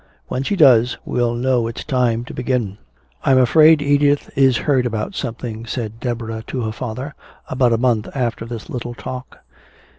When she does, we'll know it's time to begin." "I'm afraid Edith is hurt about something," said Deborah to her father, about a month after this little talk.